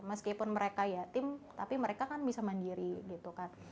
meskipun mereka yatim tapi mereka kan bisa mandiri gitu kan